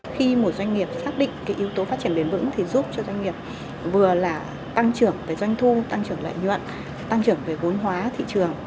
khi một doanh nghiệp xác định cái yếu tố phát triển bền vững thì giúp cho doanh nghiệp vừa là tăng trưởng về doanh thu tăng trưởng lợi nhuận tăng trưởng về vốn hóa thị trường